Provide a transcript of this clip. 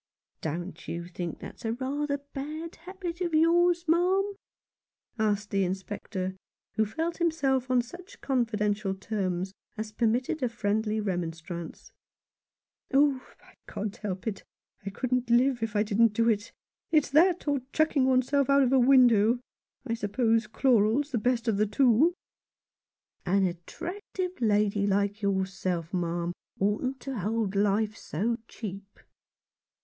" Don't you think that's rather a bad habit of yours, ma'am ?" asked the Inspector, who felt himself on such confidential terms as permitted a friendly remonstrance. " Oh, I can't help it. I couldn't live if I didn't do it. It's that, or chucking one's self out of a window ; and I suppose chloral's the best of the two." 103 At Number Thirteen, Dynevor Street. "An attractive lady like yourself, ma'am, oughtn't to hold life so cheap."